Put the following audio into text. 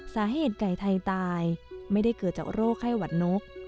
สาเหตุไก่ไทยตายไม่ได้เกิดจากโรคไข้หวัดนก